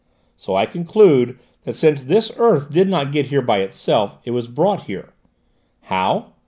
So I conclude that since this earth did not get here by itself it was brought here. How?